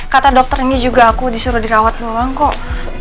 kata dokter ini juga aku disuruh dirawat bawang kok